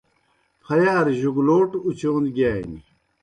پھیارہ جُگلوٹہ اُچون گِیانیْ۔